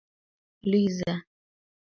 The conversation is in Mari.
Лӱйыза!